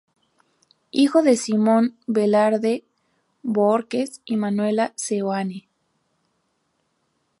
Hijo de Simón Velarde Bohórquez y Manuela Seoane.